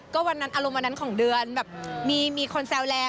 ก็อารมณ์วันนั้นของเดือนมีคนแซวแรง